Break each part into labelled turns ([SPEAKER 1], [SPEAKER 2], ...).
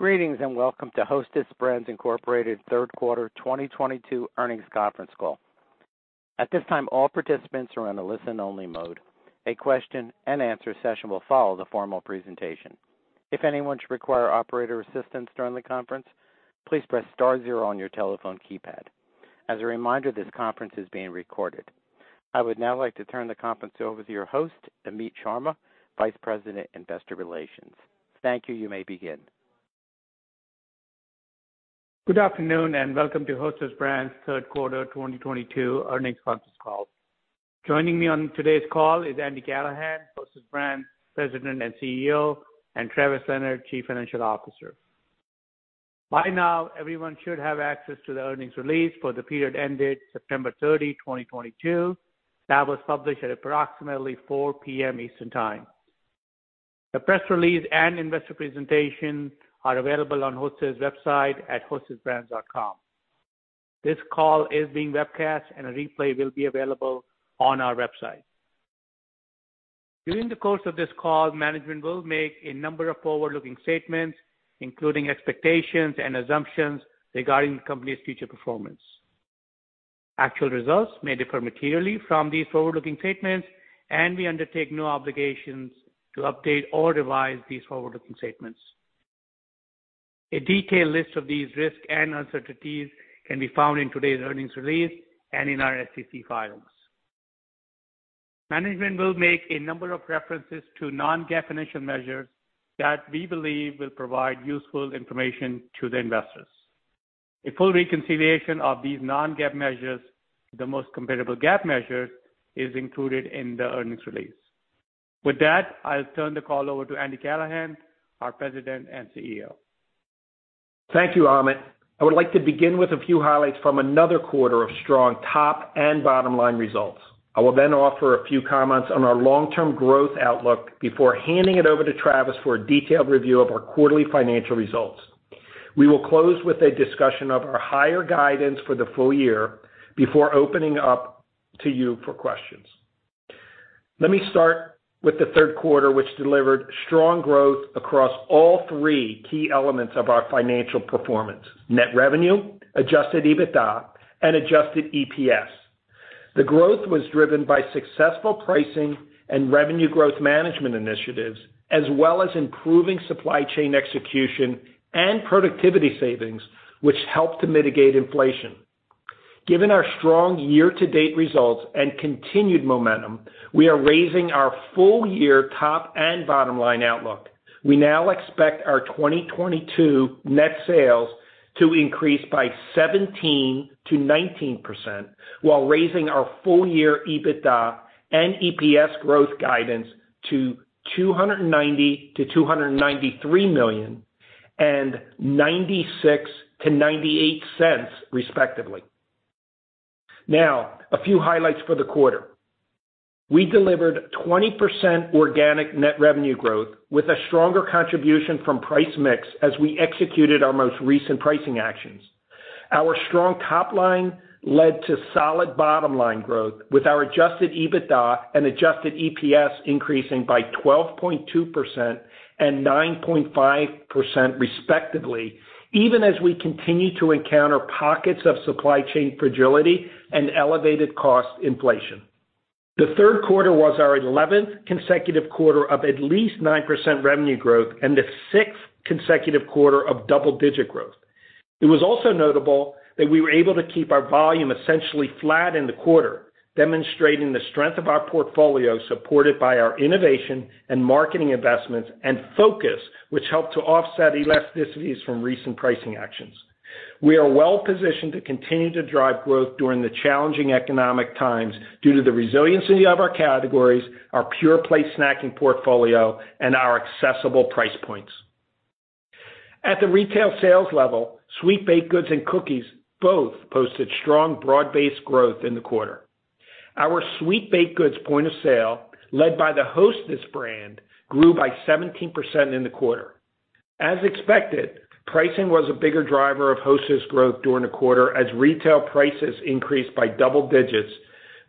[SPEAKER 1] Greetings, and welcome to Hostess Brands, Inc. Q3 2022 earnings conference call. At this time, all participants are in a listen only mode. A question and answer session will follow the formal presentation. If anyone should require operator assistance during the conference, please press star zero on your telephone keypad. As a reminder, this conference is being recorded. I would now like to turn the conference over to your host, Amit Sharma, Vice President, Investor Relations. Thank you. You may begin.
[SPEAKER 2] Good afternoon, and welcome to Hostess Brands Q3 2022 earnings conference call. Joining me on today's call is Andy Callahan, Hostess Brands President and CEO, and Travis Leonard, Chief Financial Officer. By now, everyone should have access to the earnings release for the period ended 30 September, 2022. That was published at approximately 4 P.M. Eastern Time. The press release and investor presentation are available on Hostess Brands website at hostessbrands.com. This call is being webcast, and a replay will be available on our website. During the course of this call, management will make a number of forward-looking statements, including expectations and assumptions regarding the company's future performance. Actual results may differ materially from these forward-looking statements, and we undertake no obligations to update or revise these forward-looking statements. A detailed list of these risks and uncertainties can be found in today's earnings release and in our SEC filings. Management will make a number of references to non-GAAP financial measures that we believe will provide useful information to the investors. A full reconciliation of these non-GAAP measures, the most comparable GAAP measure, is included in the earnings release. With that, I'll turn the call over to Andy Callahan, our President and CEO.
[SPEAKER 3] Thank you, Amit. I would like to begin with a few highlights from another quarter of strong top and bottom-line results. I will then offer a few comments on our long-term growth outlook before handing it over to Travis for a detailed review of our quarterly financial results. We will close with a discussion of our higher guidance for the full year before opening up to you for questions. Let me start with the Q3, which delivered strong growth across all three key elements of our financial performance. Net revenue, adjusted EBITDA, and adjusted EPS. The growth was driven by successful pricing and revenue growth management initiatives, as well as improving supply chain execution and productivity savings, which helped to mitigate inflation. Given our strong year-to-date results and continued momentum, we are raising our full year top and bottom-line outlook. We now expect our 2022 net sales to increase by 17% to 19% while raising our full year EBITDA and EPS growth guidance to $290 million to $293 million and $0.96 to $0.98, respectively. Now a few highlights for the quarter. We delivered 20% organic net revenue growth with a stronger contribution from price mix as we executed our most recent pricing actions. Our strong top line led to solid bottom-line growth, with our adjusted EBITDA and adjusted EPS increasing by 12.2% and 9.5%, respectively, even as we continue to encounter pockets of supply chain fragility and elevated cost inflation. The Q3 was our 11th consecutive quarter of at least 9% revenue growth and the 6th consecutive quarter of double-digit growth. It was also notable that we were able to keep our volume essentially flat in the quarter, demonstrating the strength of our portfolio, supported by our innovation and marketing investments and focus, which helped to offset elasticities from recent pricing actions. We are well positioned to continue to drive growth during the challenging economic times due to the resiliency of our categories, our pure play snacking portfolio, and our accessible price points. At the retail sales level, sweet baked goods and cookies both posted strong broad-based growth in the quarter. Our sweet baked goods point of sale, led by the Hostess brand, grew by 17% in the quarter. As expected, pricing was a bigger driver of Hostess growth during the quarter as retail prices increased by double digits,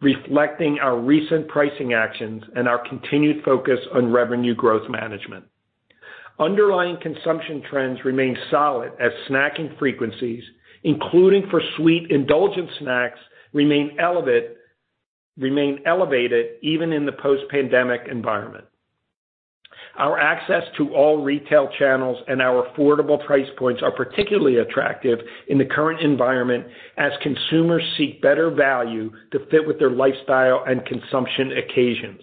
[SPEAKER 3] reflecting our recent pricing actions and our continued focus on revenue growth management. Underlying consumption trends remain solid as snacking frequencies, including for sweet indulgent snacks, remain elevated even in the post-pandemic environment. Our access to all retail channels and our affordable price points are particularly attractive in the current environment as consumers seek better value to fit with their lifestyle and consumption occasions,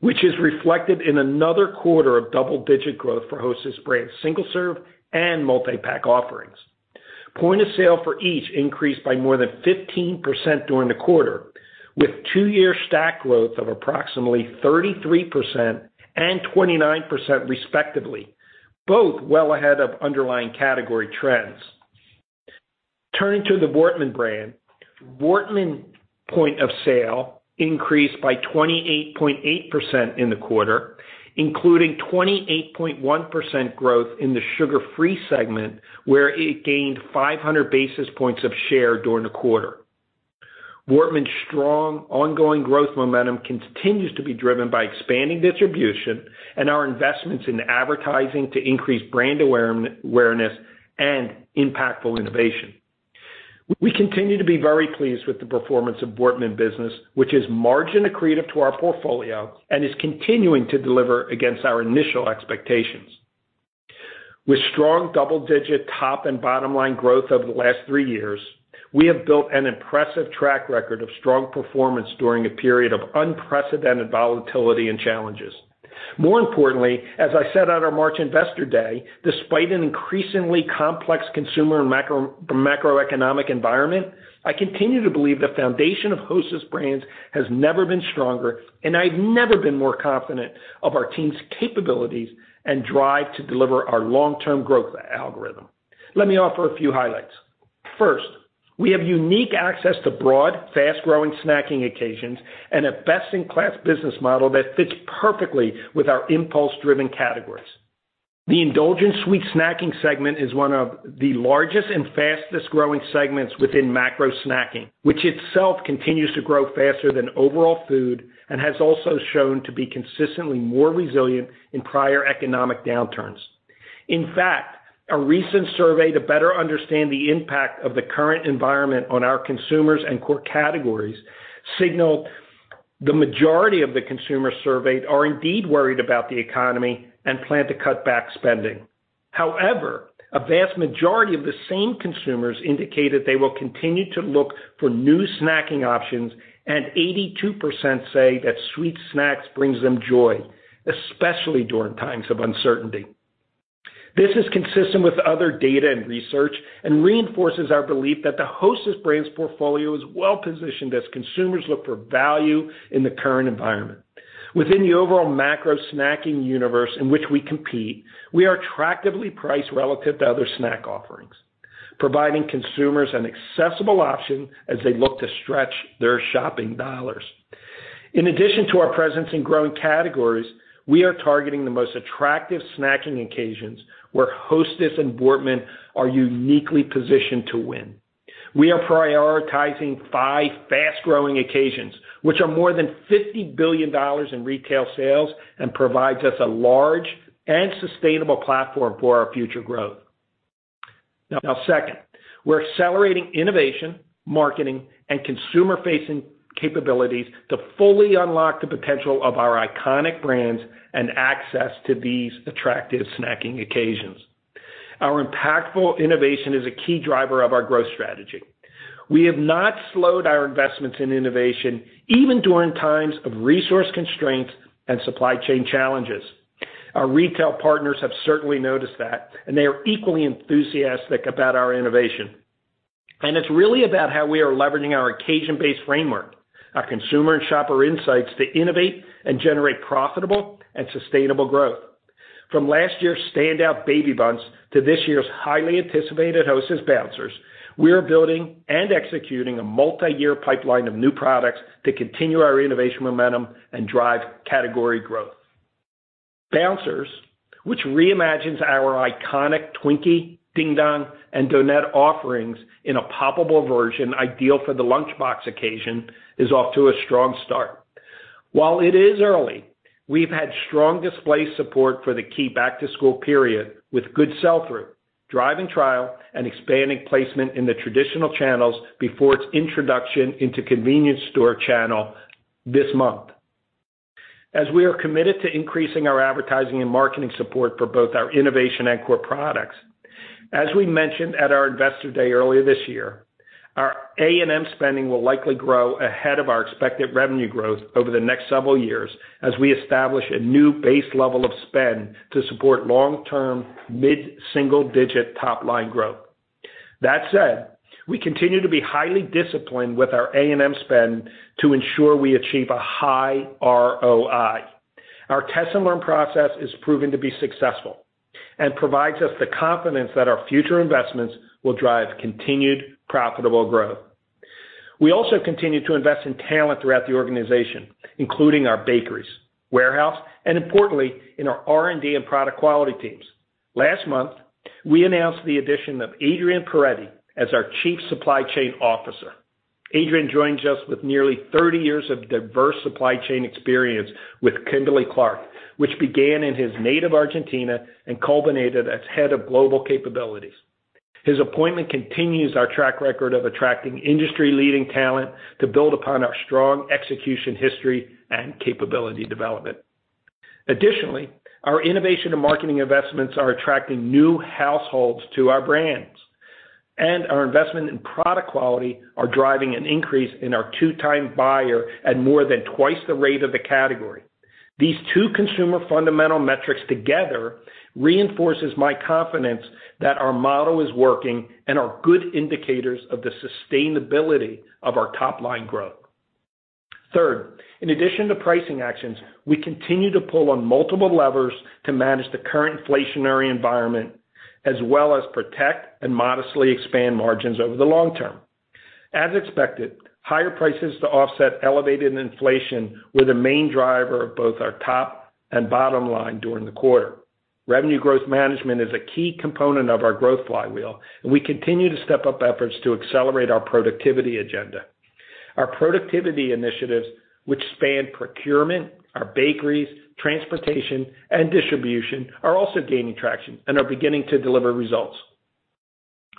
[SPEAKER 3] which is reflected in another quarter of double-digit growth for Hostess Brands single-serve and multi-pack offerings. Point of sale for each increased by more than 15% during the quarter, with two-year stack growth of approximately 33% and 29%, respectively, both well ahead of underlying category trends. Turning to the Voortman brand. Voortman point of sale increased by 28.8% in the quarter, including 28.1% growth in the sugar-free segment, where it gained 500 basis points of share during the quarter. Voortman's strong ongoing growth momentum continues to be driven by expanding distribution and our investments in advertising to increase brand awareness and impactful innovation. We continue to be very pleased with the performance of Voortman business, which is margin accretive to our portfolio and is continuing to deliver against our initial expectations. With strong double-digit top and bottom line growth over the last three years, we have built an impressive track record of strong performance during a period of unprecedented volatility and challenges. More importantly, as I said at our March Investor Day, despite an increasingly complex consumer and macroeconomic environment, I continue to believe the foundation of Hostess Brands has never been stronger, and I've never been more confident of our team's capabilities and drive to deliver our long-term growth algorithm. Let me offer a few highlights. First, we have unique access to broad, fast-growing snacking occasions and a best-in-class business model that fits perfectly with our impulse-driven categories. The indulgent sweet snacking segment is one of the largest and fastest-growing segments within macro snacking, which itself continues to grow faster than overall food and has also shown to be consistently more resilient in prior economic downturns. In fact, a recent survey to better understand the impact of the current environment on our consumers and core categories signaled the majority of the consumers surveyed are indeed worried about the economy and plan to cut back spending. However, a vast majority of the same consumers indicated they will continue to look for new snacking options, and 82% say that sweet snacks brings them joy, especially during times of uncertainty. This is consistent with other data and research and reinforces our belief that the Hostess Brands portfolio is well-positioned as consumers look for value in the current environment. Within the overall macro snacking universe in which we compete, we are attractively priced relative to other snack offerings, providing consumers an accessible option as they look to stretch their shopping dollars. In addition to our presence in growing categories, we are targeting the most attractive snacking occasions where Hostess and Voortman are uniquely positioned to win. We are prioritizing five fast-growing occasions, which are more than $50 billion in retail sales and provides us a large and sustainable platform for our future growth. Now, second, we're accelerating innovation, marketing, and consumer-facing capabilities to fully unlock the potential of our iconic brands and access to these attractive snacking occasions. Our impactful innovation is a key driver of our growth strategy. We have not slowed our investments in innovation, even during times of resource constraints and supply chain challenges. Our retail partners have certainly noticed that, and they are equally enthusiastic about our innovation. It's really about how we are leveraging our occasion-based framework, our consumer and shopper insights to innovate and generate profitable and sustainable growth. From last year's standout Baby Bundts to this year's highly anticipated Hostess Bouncers, we are building and executing a multiyear pipeline of new products to continue our innovation momentum and drive category growth. Bouncers, which reimagines our iconic Twinkie, Ding Dong, and Donettes offerings in a poppable version ideal for the lunchbox occasion, is off to a strong start. While it is early, we've had strong display support for the key back-to-school period with good sell-through, driving trial, and expanding placement in the traditional channels before its introduction into convenience store channel this month. As we are committed to increasing our advertising and marketing support for both our innovation and core products, as we mentioned at our Investor Day earlier this year, our A&M spending will likely grow ahead of our expected revenue growth over the next several years as we establish a new base level of spend to support long-term mid-single-digit top-line growth. That said, we continue to be highly disciplined with our A&M spend to ensure we achieve a high ROI. Our test and learn process is proven to be successful and provides us the confidence that our future investments will drive continued profitable growth. We also continue to invest in talent throughout the organization, including our bakeries, warehouse, and importantly, in our R&D and product quality teams. Last month, we announced the addition of Adrian Poretti as our Chief Supply Chain Officer. Adrian joins us with nearly 30 years of diverse supply chain experience with Kimberly-Clark, which began in his native Argentina and culminated as Head of Global Capabilities. His appointment continues our track record of attracting industry leading talent to build upon our strong execution history and capability development. Additionally, our innovation and marketing investments are attracting new households to our brands, and our investment in product quality are driving an increase in our two-time buyer at more than twice the rate of the category. These two consumer fundamental metrics together reinforces my confidence that our model is working and are good indicators of the sustainability of our top-line growth. Third, in addition to pricing actions, we continue to pull on multiple levers to manage the current inflationary environment as well as protect and modestly expand margins over the long term. As expected, higher prices to offset elevated inflation were the main driver of both our top and bottom line during the quarter. Revenue growth management is a key component of our growth flywheel, and we continue to step up efforts to accelerate our productivity agenda. Our productivity initiatives, which span procurement, our bakeries, transportation, and distribution, are also gaining traction and are beginning to deliver results.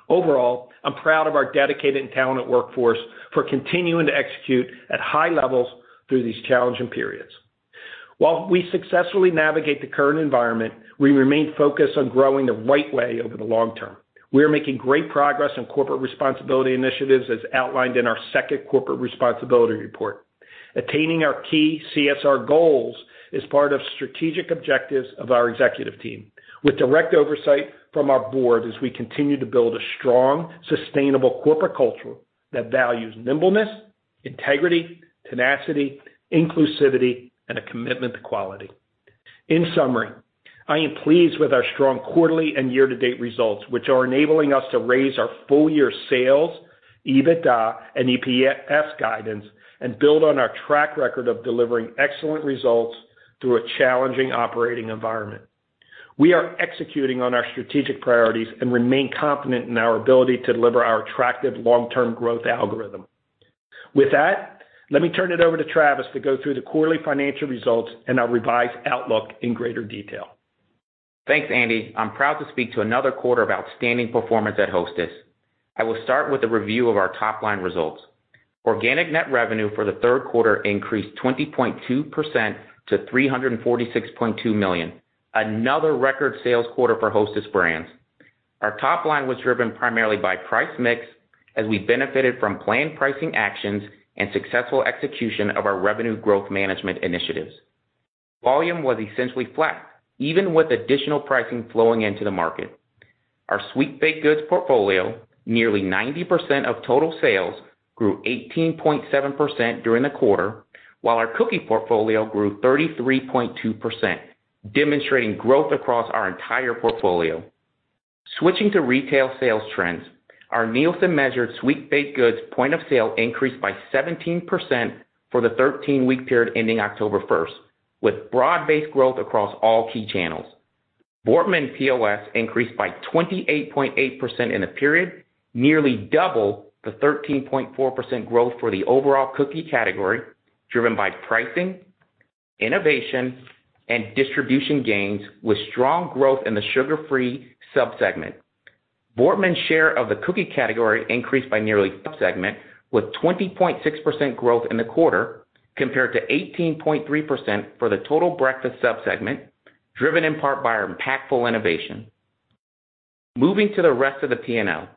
[SPEAKER 3] Overall, I'm proud of our dedicated and talented workforce for continuing to execute at high levels through these challenging periods. While we successfully navigate the current environment, we remain focused on growing the right way over the long term. We are making great progress on corporate responsibility initiatives, as outlined in our second corporate responsibility report. Attaining our key CSR goals is part of strategic objectives of our executive team with direct oversight from our board as we continue to build a strong, sustainable corporate culture that values nimbleness, integrity, tenacity, inclusivity, and a commitment to quality. In summary, I am pleased with our strong quarterly and year-to-date results, which are enabling us to raise our full-year sales, EBITDA, and EPS guidance and build on our track record of delivering excellent results through a challenging operating environment. We are executing on our strategic priorities and remain confident in our ability to deliver our attractive long-term growth algorithm. With that, let me turn it over to Travis to go through the quarterly financial results and our revised outlook in greater detail.
[SPEAKER 4] Thanks, Andy. I'm proud to speak to another quarter of outstanding performance at Hostess. I will start with a review of our top-line results. Organic net revenue for the Q3 increased 20.2% to $346.2 million. Another record sales quarter for Hostess Brands. Our top line was driven primarily by price mix as we benefited from planned pricing actions and successful execution of our revenue growth management initiatives. Volume was essentially flat even with additional pricing flowing into the market. Our Sweet Baked Goods portfolio, nearly 90% of total sales, grew 18.7% during the quarter, while our cookie portfolio grew 33.2%, demonstrating growth across our entire portfolio. Switching to retail sales trends, our Nielsen-measured Sweet Baked Goods point of sale increased by 17% for the 13 week period ending October first, with broad-based growth across all key channels. Voortman POS increased by 28.8% in the period, nearly double the 13.4% growth for the overall cookie category, driven by pricing, innovation, and distribution gains with strong growth in the sugar-free sub-segment. Voortman's share of the cookie category increased by nearly one segment. With 20.6% in the quarter compared to 18.3% for the total breakfast sub-segment, driven in part by our impactful innovation. Moving to the rest of the P&L.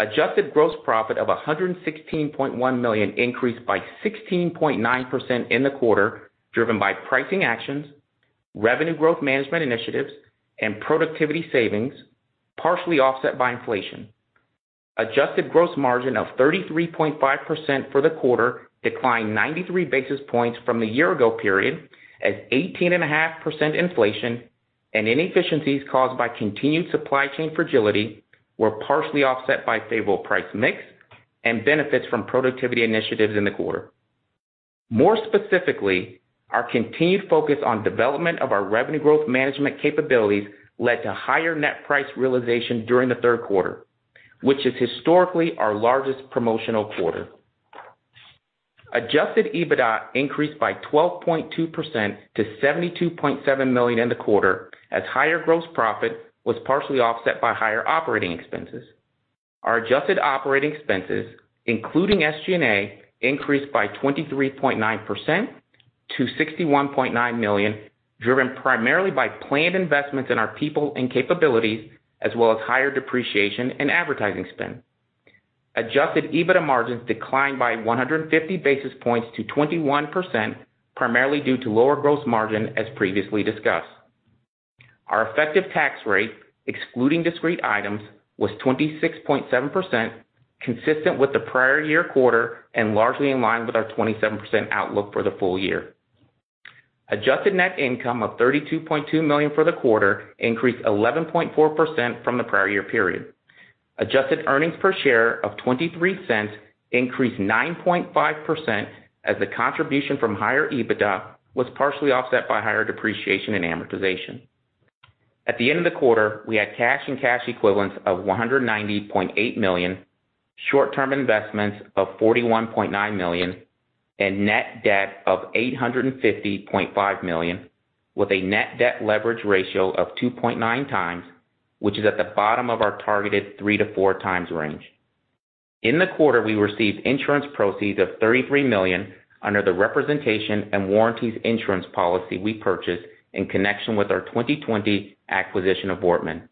[SPEAKER 4] Adjusted gross profit of $116.1 million increased by 16.9% in the quarter, driven by pricing actions, revenue growth management initiatives, and productivity savings, partially offset by inflation. Adjusted gross margin of 33.5% for the quarter declined 93 basis points from the year ago period as 18.5% inflation and inefficiencies caused by continued supply chain fragility were partially offset by favorable price mix and benefits from productivity initiatives in the quarter. More specifically, our continued focus on development of our revenue growth management capabilities led to higher net price realization during the Q3, which is historically our largest promotional quarter. Adjusted EBITDA increased by 12.2% to $72.7 million in the quarter, as higher gross profit was partially offset by higher operating expenses. Our adjusted operating expenses, including SG&A, increased by 23.9% to $61.9 million, driven primarily by planned investments in our people and capabilities as well as higher depreciation and advertising spend. Adjusted EBITDA margins declined by 150 basis points to 21%, primarily due to lower gross margin as previously discussed. Our effective tax rate, excluding discrete items, was 26.7%, consistent with the prior year quarter and largely in line with our 27% outlook for the full year. Adjusted net income of $32.2 million for the quarter increased 11.4% from the prior year period. Adjusted earnings per share of $0.23 increased 9.5% as the contribution from higher EBITDA was partially offset by higher depreciation and amortization. At the end of the quarter, we had cash and cash equivalents of $190.8 million, short-term investments of $41.9 million, and net debt of $850.5 million with a net debt leverage ratio of 2.9 times, which is at the bottom of our targeted 3x to 4x range. In the quarter, we received insurance proceeds of $33 million under the representation and warranties insurance policy we purchased in connection with our 2020 acquisition of Voortman.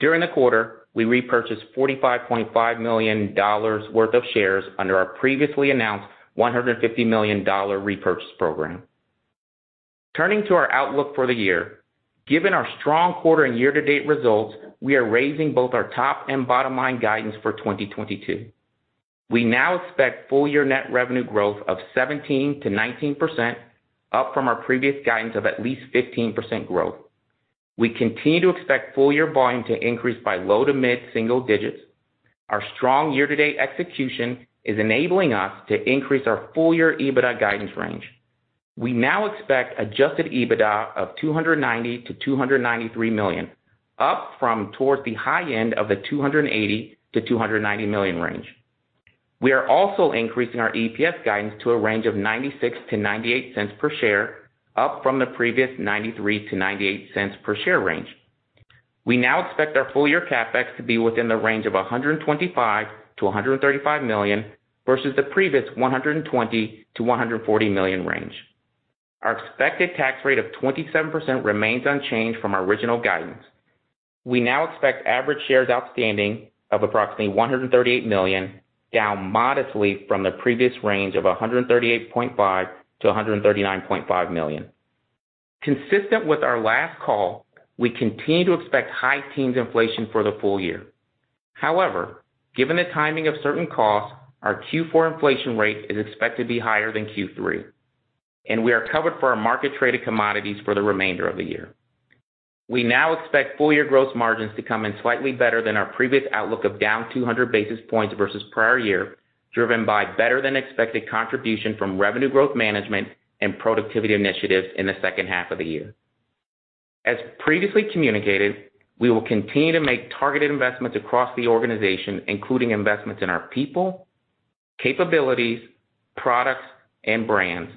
[SPEAKER 4] During the quarter, we repurchased $45.5 million worth of shares under our previously announced $150 million repurchase program. Turning to our outlook for the year. Given our strong quarter and year-to-date results, we are raising both our top and bottom line guidance for 2022. We now expect full year net revenue growth of 17% to 19% up from our previous guidance of at least 15% growth. We continue to expect full year volume to increase by low to mid-single digits. Our strong year-to-date execution is enabling us to increase our full year EBITDA guidance range. We now expect adjusted EBITDA of $290 million to $293 million, up from toward the high end of the $280 million to $290 million range. We are also increasing our EPS guidance to a range of $0.96 to $0.98 per share, up from the previous $0.93 to $0.98 per share range. We now expect our full year CapEx to be within the range of $125 million to $135 million versus the previous $120 million to $140 million range. Our expected tax rate of 27% remains unchanged from our original guidance. We now expect average shares outstanding of approximately $138 million, down modestly from the previous range of $138.5 million to $139.5 million. Consistent with our last call, we continue to expect high teens inflation for the full year. However, given the timing of certain costs, our Q4 inflation rate is expected to be higher than Q3, and we are covered for our market traded commodities for the remainder of the year. We now expect full year gross margins to come in slightly better than our previous outlook of down 200 basis points versus prior year, driven by better than expected contribution from revenue growth management and productivity initiatives in the second half of the year. As previously communicated, we will continue to make targeted investments across the organization, including investments in our people, capabilities, products and brands.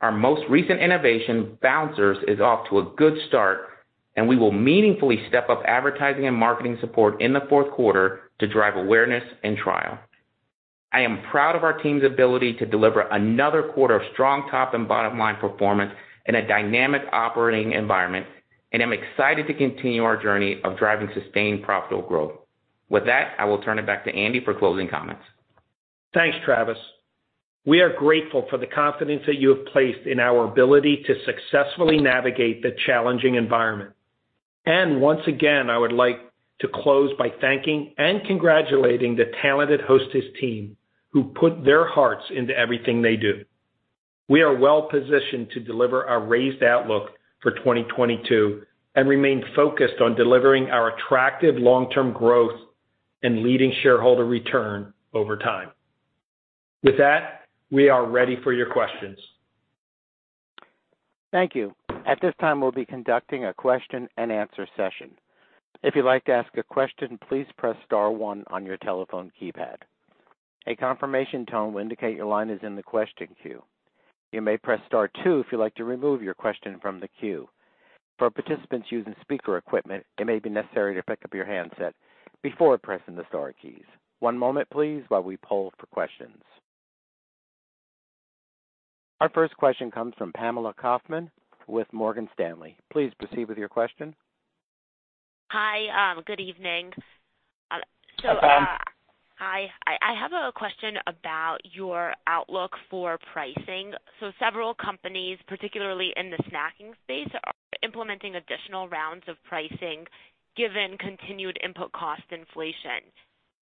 [SPEAKER 4] Our most recent innovation, Bouncers, is off to a good start, and we will meaningfully step up advertising and marketing support in the Q4 to drive awareness and trial. I am proud of our team's ability to deliver another quarter of strong top and bottom line performance in a dynamic operating environment, and I'm excited to continue our journey of driving sustained profitable growth. With that, I will turn it back to Andy for closing comments.
[SPEAKER 3] Thanks, Travis. We are grateful for the confidence that you have placed in our ability to successfully navigate the challenging environment. Once again, I would like to close by thanking and congratulating the talented Hostess team who put their hearts into everything they do. We are well positioned to deliver our raised outlook for 2022 and remain focused on delivering our attractive long term growth and leading shareholder return over time. With that, we are ready for your questions.
[SPEAKER 1] Thank you. At this time, we'll be conducting a question and answer session. If you'd like to ask a question, please press star one on your telephone keypad. A confirmation tone will indicate your line is in the question queue. You may press star two if you'd like to remove your question from the queue. For participants using speaker equipment, it may be necessary to pick up your handset before pressing the star keys. One moment, please, while we poll for questions. Our first question comes from Pamela Kaufmann with Morgan Stanley. Please proceed with your question.
[SPEAKER 5] Hi. Good evening.
[SPEAKER 3] Hi, Pam.
[SPEAKER 5] Hi. I have a question about your outlook for pricing. Several companies, particularly in the snacking space, are implementing additional rounds of pricing given continued input cost inflation.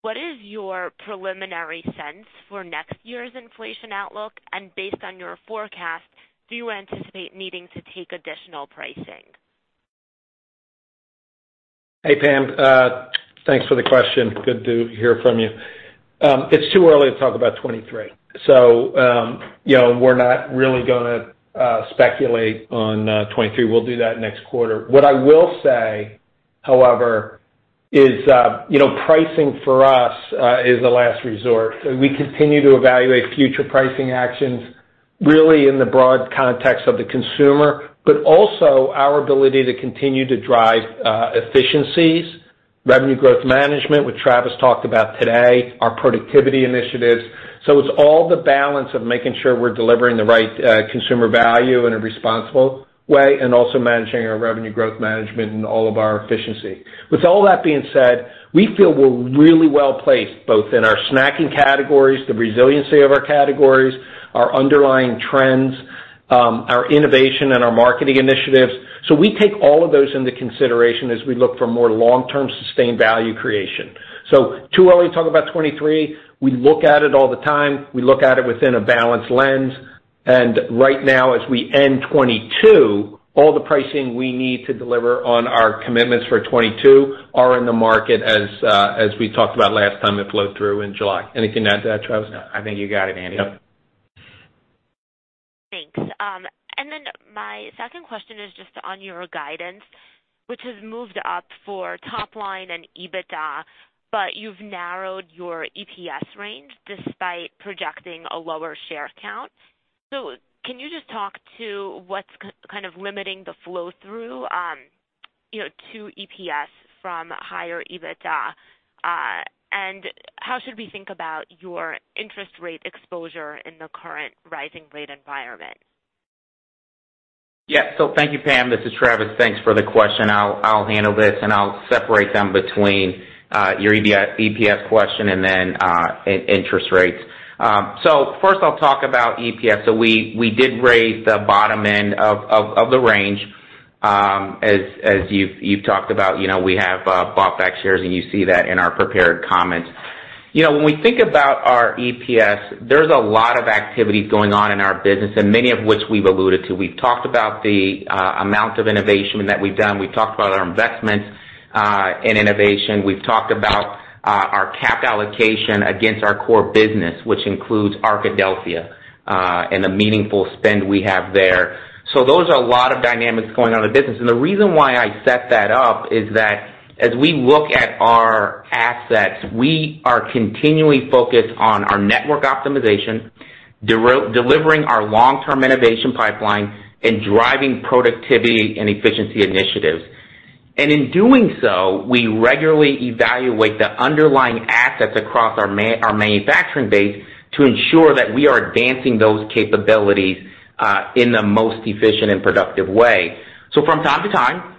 [SPEAKER 5] What is your preliminary sense for next year's inflation outlook? Based on your forecast, do you anticipate needing to take additional pricing?
[SPEAKER 3] Hey, Pam, thanks for the question. Good to hear from you. It's too early to talk about 2023, so, you know, we're not really gonna speculate on 2023. We'll do that next quarter. What I will say, however, is, you know, pricing for us is the last resort. We continue to evaluate future pricing actions really in the broad context of the consumer, but also our ability to continue to drive efficiencies, revenue growth management, which Travis talked about today, our productivity initiatives. It's all the balance of making sure we're delivering the right consumer value in a responsible way and also managing our revenue growth management and all of our efficiency. With all that being said, we feel we're really well placed both in our snacking categories, the resiliency of our categories, our underlying trends, our innovation and our marketing initiatives. We take all of those into consideration as we look for more long-term sustained value creation. Too early to talk about 2023. We look at it all the time. We look at it within a balanced lens. Right now, as we end 2022, all the pricing we need to deliver on our commitments for 2022 are in the market as we talked about last time it flowed through in July. Anything to add to that, Travis?
[SPEAKER 4] No, I think you got it, Andy.
[SPEAKER 3] Yep.
[SPEAKER 5] Thanks. My second question is just on your guidance, which has moved up for top line and EBITDA, but you've narrowed your EPS range despite projecting a lower share count. Can you just talk to what's kind of limiting the flow through to EPS from higher EBITDA? How should we think about your interest rate exposure in the current rising rate environment?
[SPEAKER 4] Yeah. Thank you, Pam. This is Travis. Thanks for the question. I'll handle this and I'll separate them between your EBITDA and EPS question and then and interest rates. First I'll talk about EPS. We did raise the bottom end of the range, as you've talked about. You know, we have bought back shares, and you see that in our prepared comments. You know, when we think about our EPS, there's a lot of activity going on in our business, and many of which we've alluded to. We've talked about the amount of innovation that we've done. We've talked about our investments in innovation. We've talked about our CapEx allocation against our core business, which includes Arkadelphia, and the meaningful spend we have there. Those are a lot of dynamics going on in the business. The reason why I set that up is that as we look at our assets, we are continually focused on our network optimization, delivering our long-term innovation pipeline, and driving productivity and efficiency initiatives. In doing so, we regularly evaluate the underlying assets across our manufacturing base to ensure that we are advancing those capabilities in the most efficient and productive way. From time to time,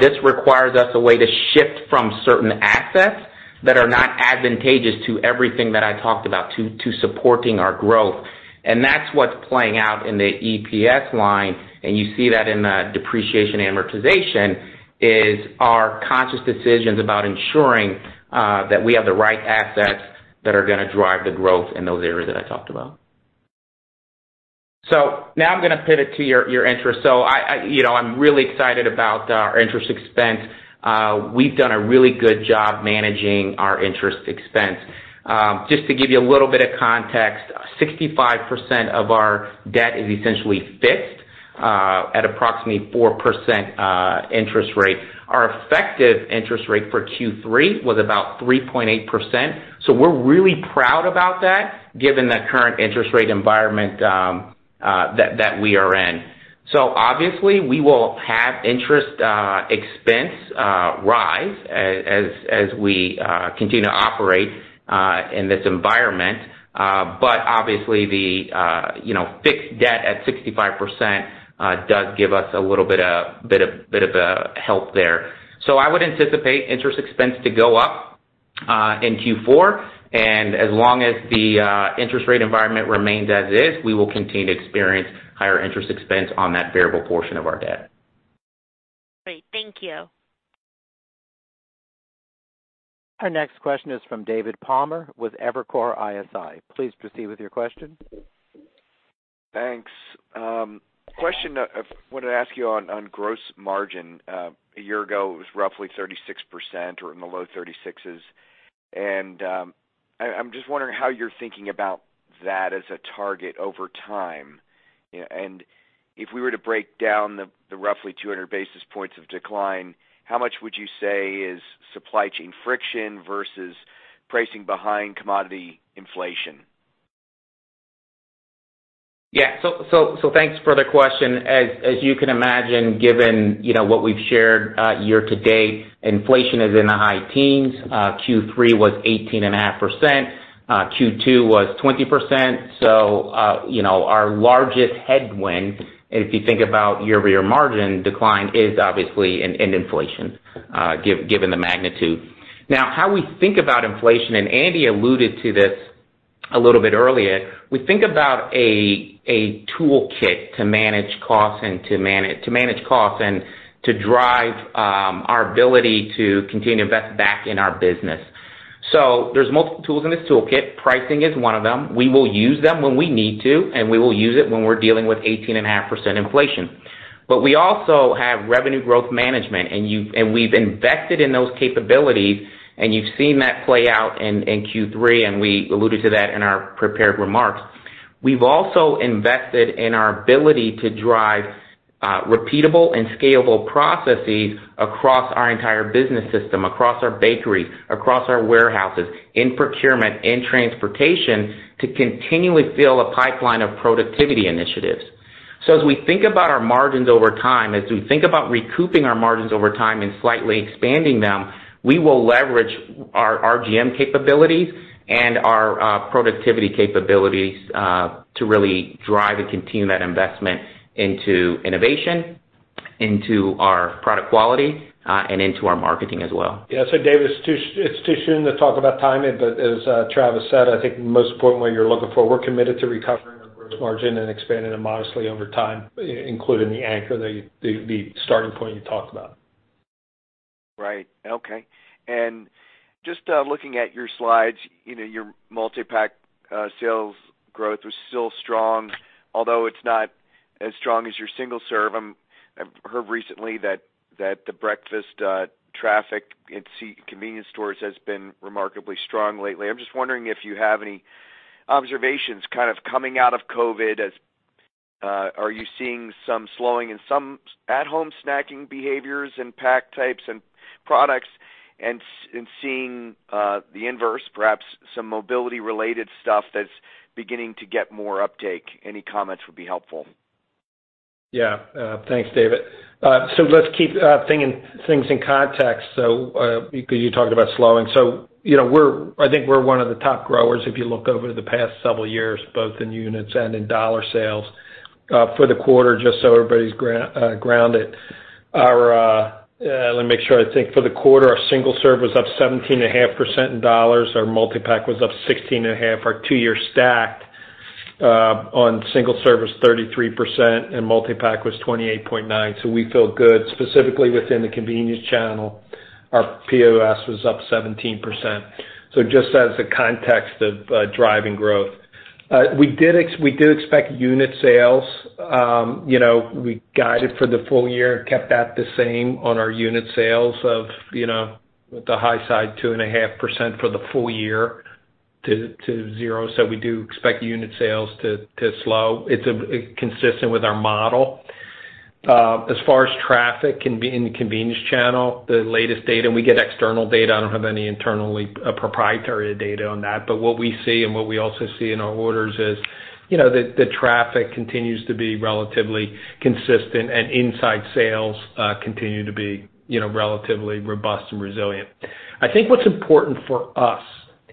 [SPEAKER 4] this requires us a way to shift from certain assets that are not advantageous to everything that I talked about to supporting our growth. That's what's playing out in the EPS line, and you see that in the depreciation and amortization is our conscious decisions about ensuring that we have the right assets that are gonna drive the growth in those areas that I talked about. Now I'm gonna pivot to your interest. You know, I'm really excited about our interest expense. We've done a really good job managing our interest expense. Just to give you a little bit of context, 65% of our debt is essentially fixed at approximately 4% interest rate. Our effective interest rate for Q3 was about 3.8%. We're really proud about that given the current interest rate environment that we are in. Obviously, we will have interest expense rise as we continue to operate in this environment. But obviously the you know, fixed debt at 65% does give us a little bit of a help there. I would anticipate interest expense to go up in Q4, and as long as the interest rate environment remains as is, we will continue to experience higher interest expense on that variable portion of our debt.
[SPEAKER 5] Great. Thank you.
[SPEAKER 1] Our next question is from David Palmer with Evercore ISI. Please proceed with your question.
[SPEAKER 6] Thanks. Question I've wanted to ask you on gross margin. A year ago, it was roughly 36% or in the low 36%. I'm just wondering how you're thinking about that as a target over time. You know, if we were to break down the roughly 200 basis points of decline, how much would you say is supply chain friction versus pricing behind commodity inflation?
[SPEAKER 4] Yeah. Thanks for the question. As you can imagine, given, you know, what we've shared, year to date, inflation is in the high teens. Q3 was 18.5%. Q2 was 20%. You know, our largest headwind, if you think about year-over-year margin decline, is obviously in inflation, given the magnitude. Now, how we think about inflation, and Andy alluded to this a little bit earlier, we think about a toolkit to manage costs and to manage costs and to drive our ability to continue to invest back in our business. There's multiple tools in this toolkit. Pricing is one of them. We will use them when we need to, and we will use it when we're dealing with 18.5% inflation. We also have revenue growth management, and we've invested in those capabilities, and you've seen that play out in Q3, and we alluded to that in our prepared remarks. We've also invested in our ability to drive repeatable and scalable processes across our entire business system, across our bakeries, across our warehouses, in procurement, in transportation, to continually fill a pipeline of productivity initiatives. As we think about our margins over time, as we think about recouping our margins over time and slightly expanding them, we will leverage our RGM capabilities and our productivity capabilities to really drive and continue that investment into innovation, into our product quality, and into our marketing as well.
[SPEAKER 3] Yeah. David, it's too soon to talk about timing, but as Travis said, I think most importantly, we're committed to recovering our gross margin and expanding it modestly over time, including the starting point you talked about.
[SPEAKER 6] Right. Okay. Just looking at your slides, you know, your multi-pack sales growth was still strong, although it's not as strong as your single serve. I've heard recently that the breakfast traffic in convenience stores has been remarkably strong lately. I'm just wondering if you have any observations kind of coming out of COVID as are you seeing some slowing in some at-home snacking behaviors and pack types and products and seeing the inverse, perhaps some mobility-related stuff that's beginning to get more uptake? Any comments would be helpful.
[SPEAKER 3] Yeah. Thanks, David. Let's keep things in context. You talked about slowing. You know, I think we're one of the top growers if you look over the past several years, both in units and in dollar sales. For the quarter, just so everybody's grounded, let me make sure. I think for the quarter, our single serve was up 17.5% in dollars. Our multi-pack was up 16.5%. Our two-year stacked on single serve 33% and multi-pack was 28.9%. We feel good. Specifically within the convenience channel, our POS was up 17%. Just as the context of driving growth. We do expect unit sales, you know, we guided for the full year, kept that the same on our unit sales of, you know, with the high side 2.5% for the full year to 0%. We do expect unit sales to slow. It's consistent with our model. As far as traffic in the convenience channel can be, the latest data, and we get external data. I don't have any internal proprietary data on that. But what we see and what we also see in our orders is, you know, that the traffic continues to be relatively consistent and inside sales continue to be, you know, relatively robust and resilient. I think what's important for us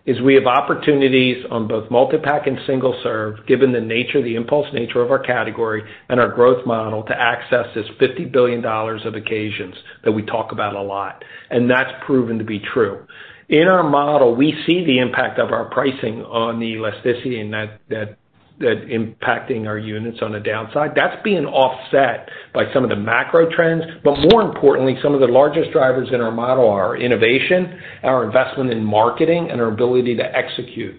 [SPEAKER 3] is we have opportunities on both multipack and single serve, given the nature, the impulse nature of our category and our growth model to access this $50 billion of occasions that we talk about a lot. That's proven to be true. In our model, we see the impact of our pricing on the elasticity and that impacting our units on the downside. That's being offset by some of the macro trends. More importantly, some of the largest drivers in our model are innovation, our investment in marketing and our ability to execute.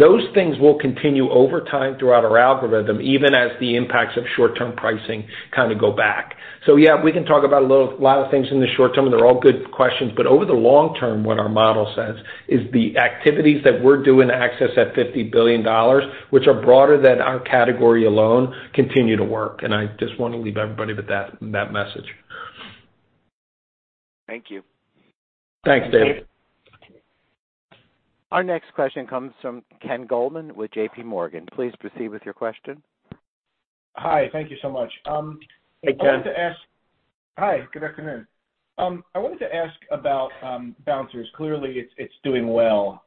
[SPEAKER 3] Those things will continue over time throughout our algorithm, even as the impacts of short-term pricing kind of go back. Yeah, we can talk about a lot of things in the short term, and they're all good questions. Over the long term, what our model says is the activities that we're doing to access that $50 billion, which are broader than our category alone, continue to work. I just wanna leave everybody with that message.
[SPEAKER 6] Thank you.
[SPEAKER 3] Thanks, David.
[SPEAKER 1] Our next question comes from Ken Goldman with JPMorgan. Please proceed with your question.
[SPEAKER 7] Hi, thank you so much.
[SPEAKER 3] Hey, Ken.
[SPEAKER 7] Hi, good afternoon. I wanted to ask about Bouncers. Clearly, it's doing well.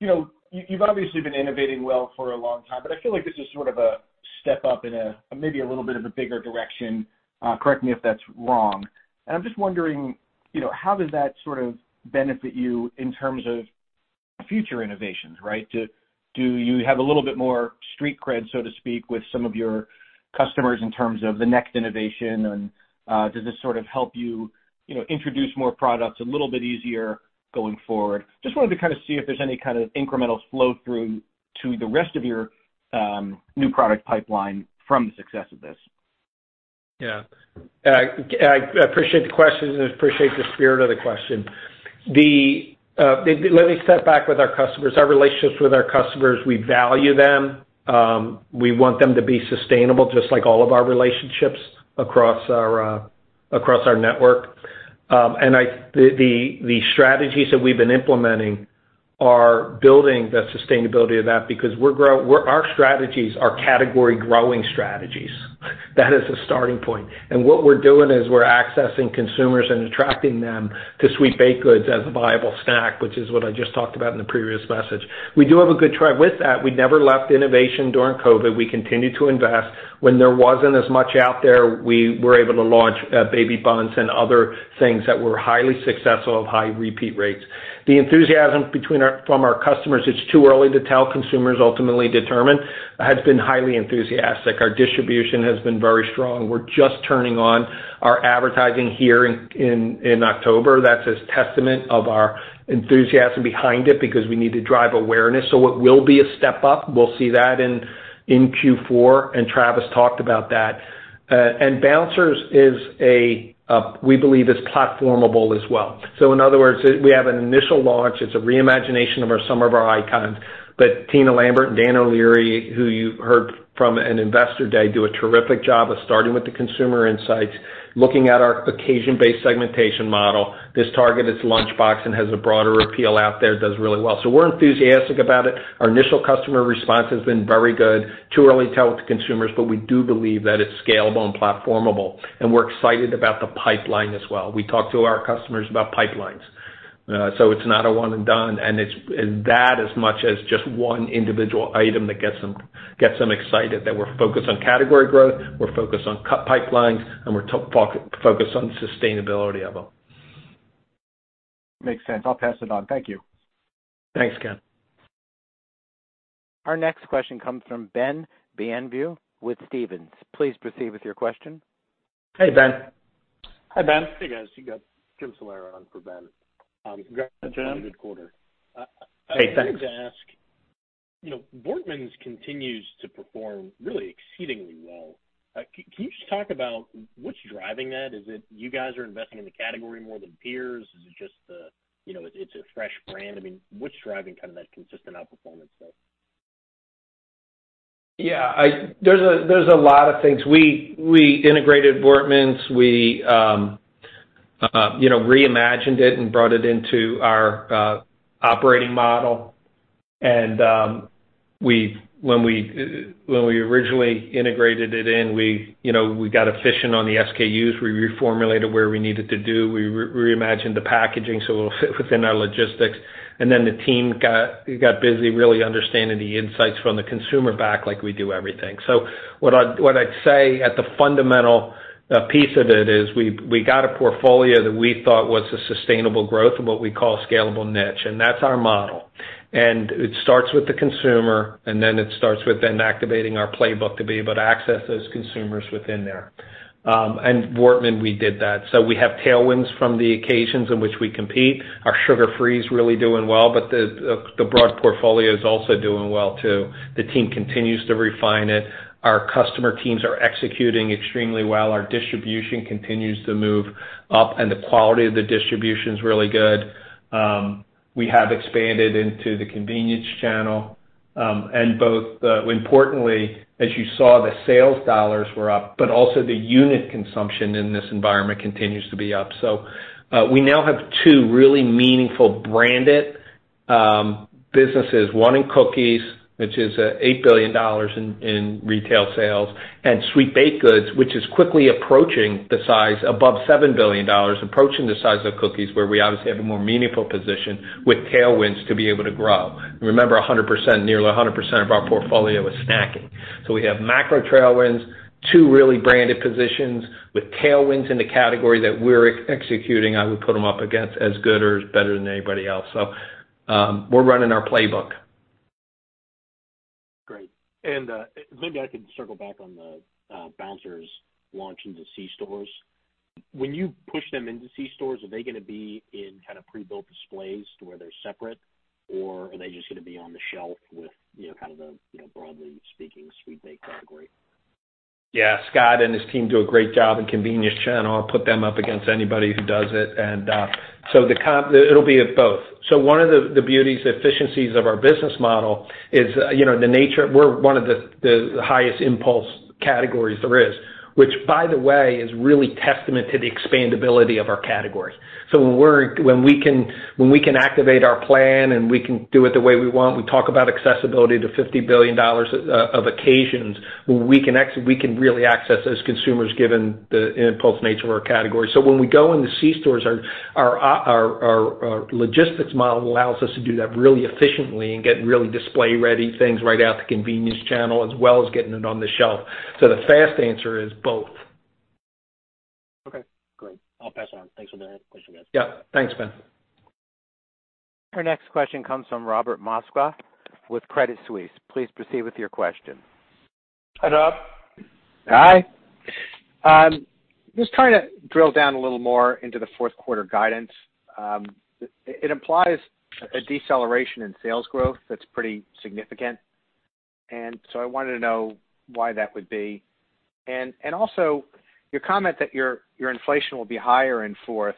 [SPEAKER 7] You know, you've obviously been innovating well for a long time, but I feel like this is sort of a step up in a maybe a little bit of a bigger direction. Correct me if that's wrong. I'm just wondering, you know, how does that sort of benefit you in terms of future innovations, right? Do you have a little bit more street cred, so to speak, with some of your customers in terms of the next innovation? Does this sort of help you know, introduce more products a little bit easier going forward? Just wanted to kind of see if there's any kind of incremental flow through to the rest of your new product pipeline from the success of this?
[SPEAKER 3] Yeah. I appreciate the question, and I appreciate the spirit of the question. Let me step back with our customers. Our relationships with our customers, we value them. We want them to be sustainable, just like all of our relationships across our network. The strategies that we've been implementing are building the sustainability of that because our strategies are category growing strategies. That is the starting point. What we're doing is we're accessing consumers and attracting them to sweet baked goods as a viable snack, which is what I just talked about in the previous message. We do have a good track with that. We never left innovation during COVID. We continued to invest. When there wasn't as much out there, we were able to launch Baby Bundts and other things that were highly successful with high repeat rates. The enthusiasm from our customers, it's too early to tell, consumers ultimately determine, has been highly enthusiastic. Our distribution has been very strong. We're just turning on our advertising here in October. That's a testament of our enthusiasm behind it because we need to drive awareness. It will be a step up. We'll see that in Q4, and Travis talked about that. Bouncers, we believe is platformable as well. In other words, we have an initial launch. It's a reimagination of some of our icons. Tina Lambert and Dan O'Leary, who you heard from in Investor Day, do a terrific job of starting with the consumer insights, looking at our occasion-based segmentation model. This target is Lunchbox and has a broader appeal out there, does really well. We're enthusiastic about it. Our initial customer response has been very good. Too early to tell with the consumers, but we do believe that it's scalable and platformable, and we're excited about the pipeline as well. We talk to our customers about pipelines. It's not a one and done, and it's that as much as just one individual item that gets them excited that we're focused on category growth, we're focused on future pipelines, and we're focused on sustainability of them.
[SPEAKER 7] Makes sense. I pass the call. Thank you.
[SPEAKER 3] Thanks, Ken.
[SPEAKER 1] Our next question comes from Ben Bienvenu with Stephens. Please proceed with your question.
[SPEAKER 3] Hey, Ben.
[SPEAKER 4] Hi, Ben.
[SPEAKER 8] Hey, guys. You got Jim Salera on for Ben.
[SPEAKER 3] Hey, Jim.
[SPEAKER 8] On a this quarter.
[SPEAKER 3] Hey, thanks.
[SPEAKER 8] I wanted to ask, you know, Voortman's continues to perform really exceedingly well. Can you just talk about what's driving that? Is it you guys are investing in the category more than peers? Is it just, you know, it's a fresh brand? I mean, what's driving kind of that consistent outperformance there?
[SPEAKER 3] Yeah, there's a lot of things. We integrated Voortman's. We reimagined it and brought it into our operating model. When we originally integrated it in, you know, we got efficient on the SKUs. We reformulated where we needed to do. We reimagined the packaging so it'll fit within our logistics. Then the team got busy really understanding the insights from the consumer back like we do everything. What I'd say at the fundamental piece of it is we got a portfolio that we thought was a sustainable growth and what we call scalable niche, and that's our model. It starts with the consumer, and then it starts with activating our playbook to be able to access those consumers within there. Voortman, we did that. We have tailwinds from the occasions in which we compete. Our sugar-free is really doing well, but the broad portfolio is also doing well too. The team continues to refine it. Our customer teams are executing extremely well. Our distribution continues to move up, and the quality of the distribution is really good. We have expanded into the convenience channel, and both importantly, as you saw, the sales dollars were up, but also the unit consumption in this environment continues to be up. We now have two really meaningful branded businesses, one in cookies, which is $8 billion in retail sales, and sweet baked goods, which is quickly approaching the size above $7 billion, approaching the size of cookies, where we obviously have a more meaningful position with tailwinds to be able to grow. Remember, 100%, nearly 100% of our portfolio is snacking. We have macro tailwinds, two really branded positions with tailwinds in the category that we're executing. I would put them up against as good or as better than anybody else. We're running our playbook.
[SPEAKER 8] Great. Maybe I could circle back on the Bouncers launch into C-stores. When you push them into C-stores, are they gonna be in kind of pre-built displays to where they're separate, or are they just gonna be on the shelf with, you know, kind of the, you know, broadly speaking, sweet baked goods category?
[SPEAKER 3] Yeah. Scott and his team do a great job in convenience channel. I'll put them up against anybody who does it. It'll be of both. One of the beauties, efficiencies of our business model is, you know, the nature. We're one of the highest impulse categories there is, which, by the way, is really testament to the expandability of our category. When we can activate our plan and we can do it the way we want, we talk about accessibility to $50 billion of occasions, when we can really access those consumers given the impulse nature of our category. When we go in the C-stores, our logistics model allows us to do that really efficiently and get really display-ready things right out the convenience channel as well as getting it on the shelf. The fast answer is both.
[SPEAKER 8] Okay, great. I'll pass it on. Thanks for that. Appreciate it.
[SPEAKER 3] Yeah. Thanks, Ben.
[SPEAKER 1] Our next question comes from Robert Moskow with Credit Suisse. Please proceed with your question.
[SPEAKER 3] Hi, Rob.
[SPEAKER 9] Hi. Just trying to drill down a little more into the Q4 guidance. It implies a deceleration in sales growth that's pretty significant. I wanted to know why that would be. Also your comment that your inflation will be higher in fourth.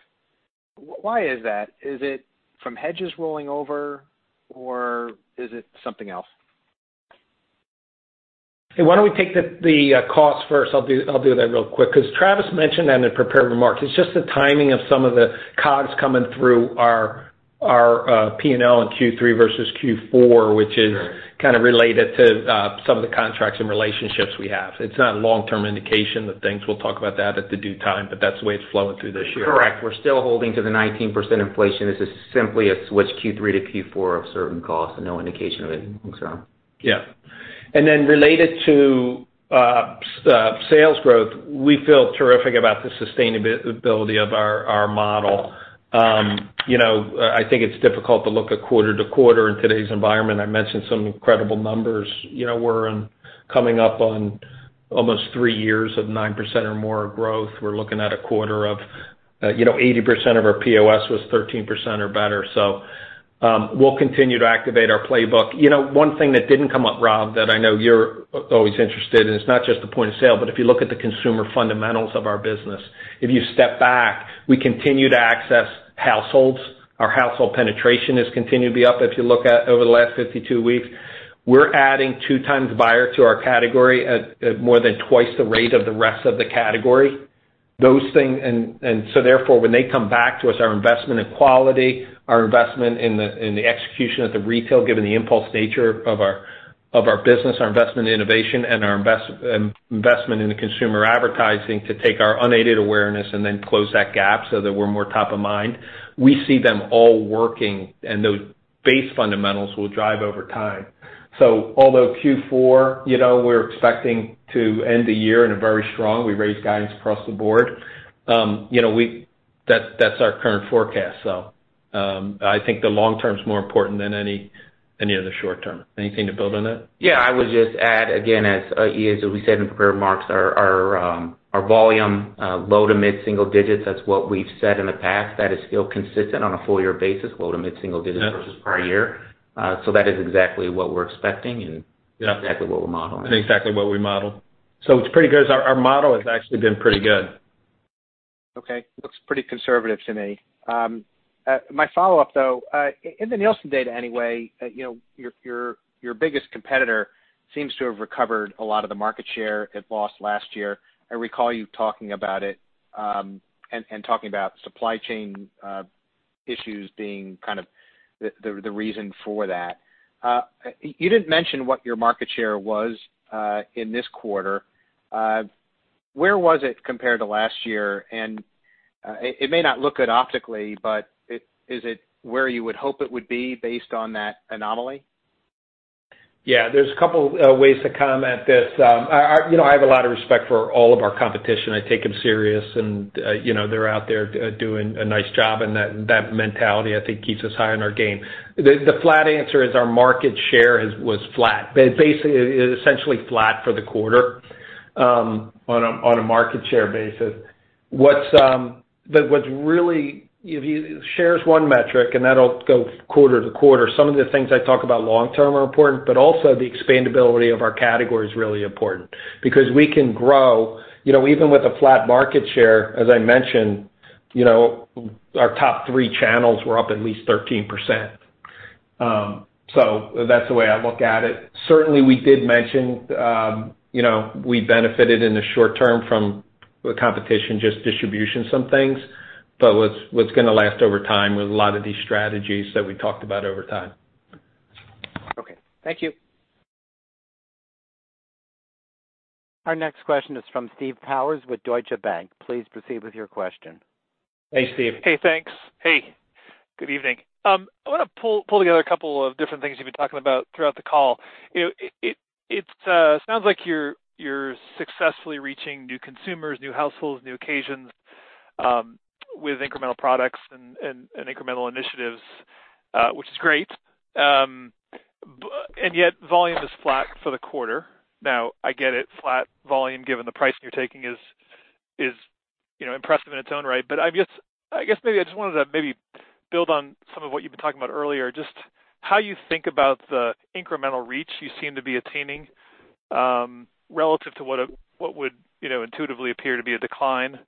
[SPEAKER 9] Why is that? Is it from hedges rolling over or is it something else?
[SPEAKER 3] Why don't we take the cost first? I'll do that real quick, because Travis mentioned that in prepared remarks. It's just the timing of some of the COGS coming through our P&L in Q3 versus Q4, which is kind of related to some of the contracts and relationships we have. It's not a long-term indication of things. We'll talk about that at the due time, but that's the way it's flowing through this year.
[SPEAKER 4] Correct. We're still holding to the 19% inflation. This is simply a switch Q3 to Q4 of certain costs and no indication of anything else.
[SPEAKER 3] Yeah. Then related to sales growth, we feel terrific about the sustainability of our model. You know, I think it's difficult to look at quarter to quarter in today's environment. I mentioned some incredible numbers. You know, we're coming up on almost three years of 9% or more of growth. We're looking at a quarter of, you know, 80% of our POS was 13% or better. We'll continue to activate our playbook. You know, one thing that didn't come up, Rob, that I know you're always interested in, it's not just the point of sale, but if you look at the consumer fundamentals of our business. If you step back, we continue to access households. Our household penetration has continued to be up. If you look at over the last 52 weeks, we're adding 2x buyers to our category at more than twice the rate of the rest of the category. Those things. When they come back to us, our investment in quality, our investment in the execution at the retail, given the impulse nature of our business, our investment in innovation and our investment in the consumer advertising to take our unaided awareness and then close that gap so that we're more top of mind, we see them all working, and those base fundamentals will drive over time. Although Q4, you know, we're expecting to end the year in a very strong, we raised guidance across the board, you know, that's our current forecast. I think the long term is more important than any of the short term. Anything to build on that?
[SPEAKER 9] Yeah. I would just add, again, as we said in prepared remarks, our volume low to mid single digits, that's what we've said in the past. That is still consistent on a full year basis, low to mid single digits versus prior year. That is exactly what we're expecting and exactly what we're modeling.
[SPEAKER 3] Exactly what we modeled. It's pretty good. Our model has actually been pretty good.
[SPEAKER 9] Okay. Looks pretty conservative to me. My follow-up, though, in the Nielsen data, anyway, you know, your biggest competitor seems to have recovered a lot of the market share it lost last year. I recall you talking about it, and talking about supply chain issues being kind of the reason for that. You didn't mention what your market share was in this quarter. Where was it compared to last year? It may not look good optically, but is it where you would hope it would be based on that anomaly?
[SPEAKER 3] Yeah, there's a couple ways to comment this. You know, I have a lot of respect for all of our competition. I take them serious and, you know, they're out there doing a nice job, and that mentality I think keeps us high on our game. The flat answer is our market share is, was flat. Basically it is essentially flat for the quarter, on a market share basis. But what's really share's one metric, and that'll go quarter to quarter. Some of the things I talk about long-term are important, but also the expandability of our category is really important because we can grow. You know, even with a flat market share, as I mentioned, you know, our top three channels were up at least 13%. That's the way I look at it. Certainly, we did mention, you know, we benefited in the short term from the competition, just distribution some things, but what's gonna last over time with a lot of these strategies that we talked about over time.
[SPEAKER 9] Okay, thank you.
[SPEAKER 1] Our next question is from Steve Powers with Deutsche Bank. Please proceed with your question.
[SPEAKER 3] Hey, Steve.
[SPEAKER 10] Hey, thanks. Hey, good evening. I wanna pull together a couple of different things you've been talking about throughout the call. You know, it sounds like you're successfully reaching new consumers, new households, new occasions with incremental products and incremental initiatives, which is great. Yet, volume is flat for the quarter. Now, I get it, flat volume, given the pricing you're taking is, you know, impressive in its own right. I guess maybe I just wanted to maybe build on some of what you've been talking about earlier, just how you think about the incremental reach you seem to be attaining, relative to what would, you know, intuitively appear to be a decline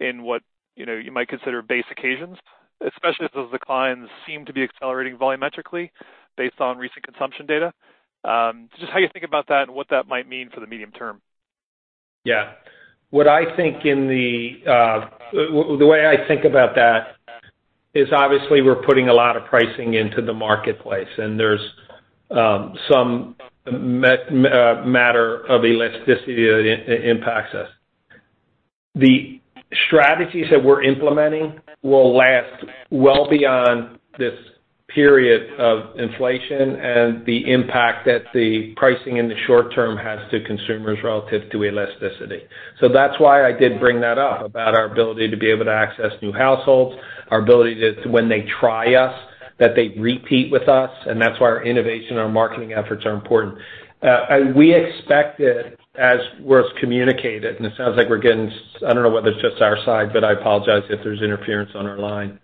[SPEAKER 10] in what, you know, you might consider base occasions, especially as those declines seem to be accelerating volumetrically based on recent consumption data. So just how you think about that and what that might mean for the medium term.
[SPEAKER 3] Yeah. What I think in the way I think about that is, obviously we're putting a lot of pricing into the marketplace, and there's some matter of elasticity that impacts us. The strategies that we're implementing will last well beyond this period of inflation and the impact that the pricing in the short term has to consumers relative to elasticity. That's why I did bring that up about our ability to be able to access new households, our ability to, when they try us, that they repeat with us, and that's why our innovation, our marketing efforts are important. We expect it as was communicated, and it sounds like we're getting. I don't know whether it's just our side, but I apologize if there's interference on our line.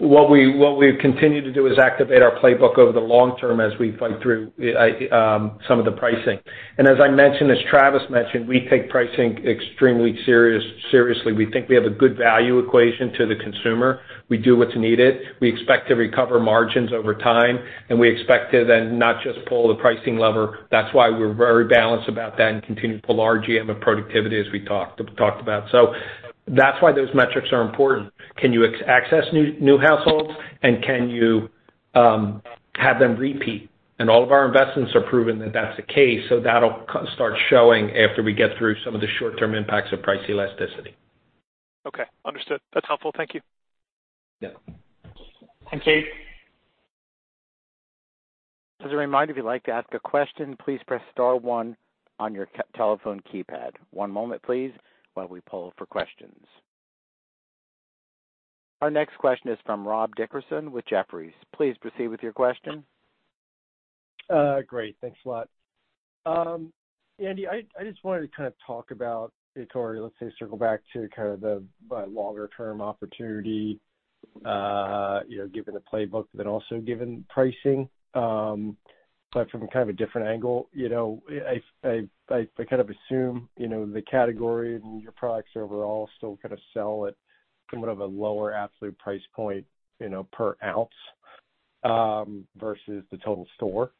[SPEAKER 3] What we've continued to do is activate our playbook over the long term as we fight through some of the pricing. As I mentioned, as Travis mentioned, we take pricing extremely seriously. We think we have a good value equation to the consumer. We do what's needed. We expect to recover margins over time, and we expect to then not just pull the pricing lever. That's why we're very balanced about that and continue to pull our GM and productivity as we talked about. That's why those metrics are important. Can you access new households, and can you have them repeat? All of our investments are proving that that's the case, so that'll start showing after we get through some of the short-term impacts of price elasticity.
[SPEAKER 10] Okay. Understood. That's helpful. Thank you.
[SPEAKER 3] Yeah.
[SPEAKER 1] Thanks you, as a reminder, if you'd like to ask a question, please press star one on your telephone keypad. One moment, please, while we poll for questions. Our next question is from Rob Dickerson with Jefferies. Please proceed with your question.
[SPEAKER 11] Great. Thanks a lot. Andy, I just wanted to kind of talk about or let's say circle back to kind of the longer term opportunity, you know, given the playbook, but then also given pricing, but from kind of a different angle. You know, I kind of assume, you know, the category and your products overall still kinda sell at somewhat of a lower absolute price point, you know, per ounce, versus the total store.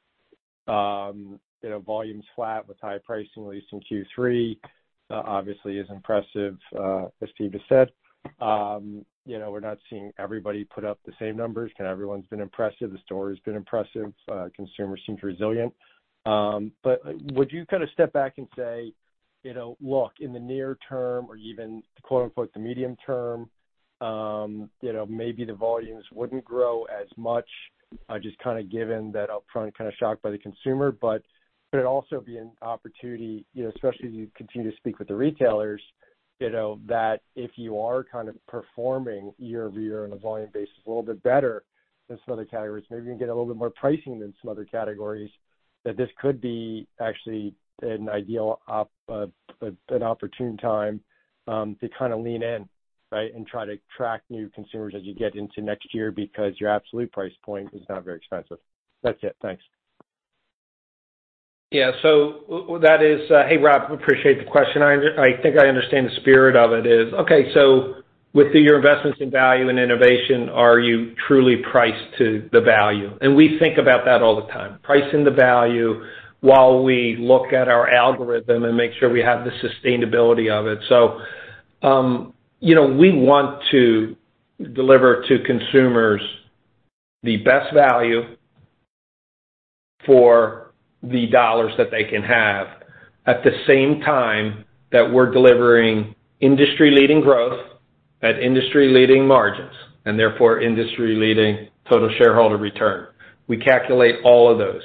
[SPEAKER 11] You know, volume's flat with high pricing, at least in Q3, obviously is impressive, as Steve has said. You know, we're not seeing everybody put up the same numbers. Kinda everyone's been impressive. The story's been impressive. Consumers seem resilient. Would you kinda step back and say, you know, look, in the near term or even the quote, "The medium term," you know, maybe the volumes wouldn't grow as much, just kinda given that upfront kinda shock by the consumer, but could it also be an opportunity, you know, especially as you continue to speak with the retailers, you know, that if you are kind of performing year-over-year on a volume basis a little bit better than some other categories, maybe you can get a little bit more pricing than some other categories, that this could be actually an ideal opportune time, to kinda lean in, right, and try to attract new consumers as you get into next year because your absolute price point is not very expensive. That's it. Thanks.
[SPEAKER 3] Hey, Rob, appreciate the question. I think I understand the spirit of it. Okay, with your investments in value and innovation, are you truly priced to the value? We think about that all the time, pricing the value while we look at our algorithm and make sure we have the sustainability of it. You know, we want to deliver to consumers the best value for the dollars that they can have, at the same time that we're delivering industry-leading growth at industry-leading margins, and therefore industry-leading total shareholder return. We calculate all of those.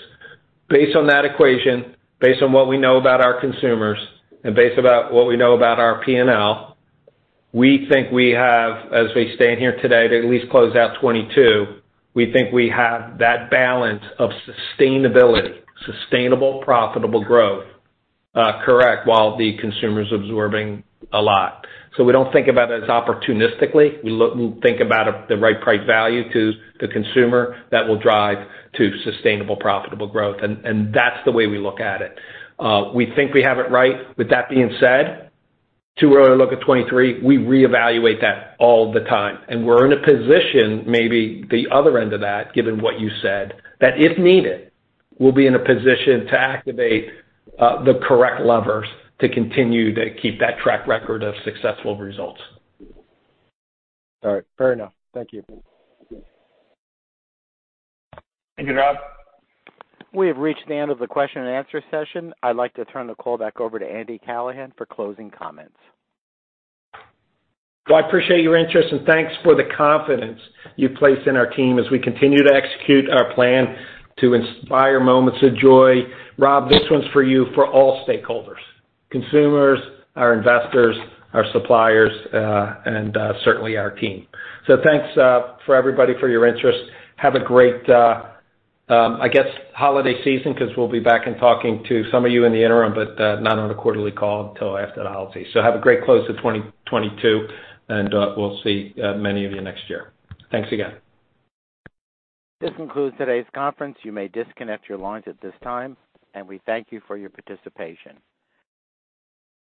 [SPEAKER 3] Based on that equation, based on what we know about our consumers and based on what we know about our P&L, we think we have, as we stand here today, to at least close out 2022, we think we have that balance of sustainable profitable growth, correct, while the consumer's absorbing a lot. We don't think about it as opportunistically. We think about it, the right price value to the consumer that will drive to sustainable, profitable growth. That's the way we look at it. We think we have it right. With that being said, too early to look at 2023, we reevaluate that all the time. We're in a position, maybe the other end of that, given what you said, that if needed, we'll be in a position to activate the correct levers to continue to keep that track record of successful results.
[SPEAKER 11] All right. Fair enough. Thank you.
[SPEAKER 3] Thank you, Rob.
[SPEAKER 1] We have reached the end of the questions and answers session. I'd like to turn the call back over to Andy Callahan for closing comments.
[SPEAKER 3] Well, I appreciate your interest, and thanks for the confidence you place in our team as we continue to execute our plan to inspire moments of joy, Rob, this one's for you, for all stakeholders, consumers, our investors, our suppliers and certainly our team. Thanks for everybody for your interest. Have a great, I guess, holiday season, cause we'll be back and talking to some of you in the interim, but not on a quarterly call until after the holiday. Have a great close to 2022, and we'll see many of you next year. Thanks again.
[SPEAKER 1] This concludes today's conference. You may disconnect your lines at this time, and we thank you for your participation.